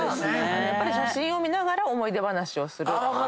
やっぱり写真を見ながら思い出話をする。